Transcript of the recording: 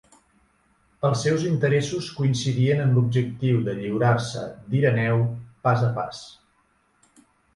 Els seus interessos coincidien en l'objectiu de lliurar-se d'Ireneu pas a pas.